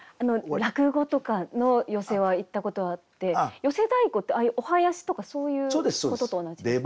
落語とかの寄席は行ったことはあって寄席太鼓ってああいうお囃子とかそういうことと同じですか？